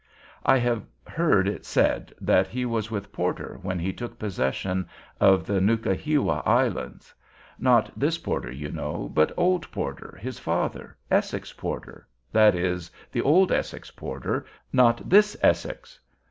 I have heard it said that he was with Porter when he took possession of the Nukahiwa Islands. Not this Porter, you know, but old Porter, his father, Essex Porter, that is, the old Essex Porter, not this Essex.